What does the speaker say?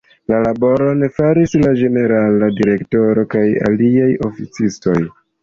La laboron faris la Ĝenerala Direktoro kaj aliaj oficistoj.